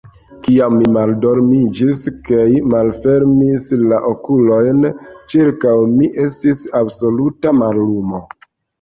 Kiam mi maldormiĝis kaj malfermis la okulojn, ĉirkaŭ mi estis absoluta mallumo.